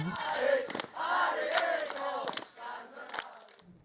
hari ini hari ini kau akan bertahun tahun